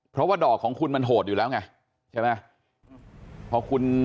เพราะว่าดอกของคุณมันโหดอยู่แล้วไงใช่ไหม